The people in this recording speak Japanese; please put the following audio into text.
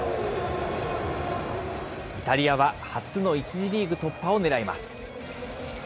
イタリアは初の１次リーグ突破を狙います。